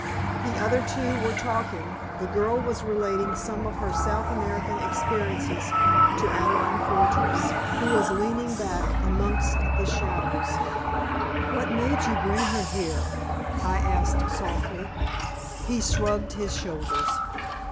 The other two were talking, the girl was relating some of her South American experiences to Adelaide Fortress, who was leaning back amongst the shadows. "What made you bring her here," I asked, softly. He shrugged his shoulders.